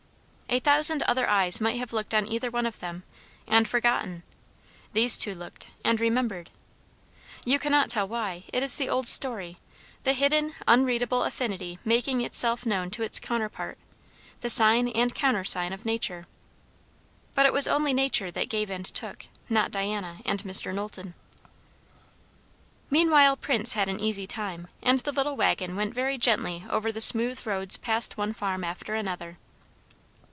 A thousand other eyes might have looked on either one of them, and forgotten; these two looked and remembered. You cannot tell why; it is the old story; the hidden, unreadable affinity making itself known to its counterpart; the sign and countersign of nature. But it was only nature that gave and took; not Diana and Mr. Knowlton. Meanwhile Prince had an easy time; and the little waggon went very gently over the smooth roads past one farm after another.